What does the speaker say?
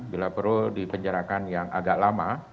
bila perlu dipenjarakan yang agak lama